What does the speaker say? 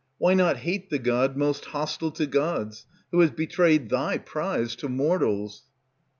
Why not hate the god most hostile to gods, Who has betrayed thy prize to mortals?